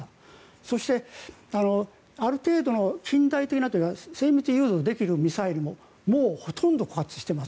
そしてある程度近代的な精密誘導できるミサイルももうほとんど枯渇しています。